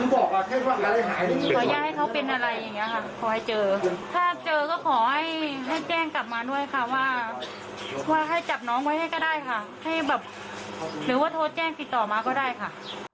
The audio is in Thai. หรือว่าโทรแจ้งติดต่อมาก็ได้ค่ะ